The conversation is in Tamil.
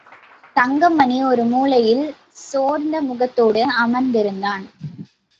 தங்கமணி ஒரு மூலையில் சோர்ந்த முகத்தோடு அமர்ந்திருந்தான்.